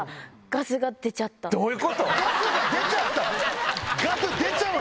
ガス出ちゃったよ！